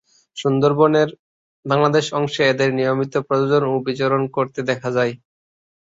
সুন্দরবনের বাংলাদেশ অংশে এদের নিয়মিত প্রজনন ও বিচরণ করতে দেখা গেছে।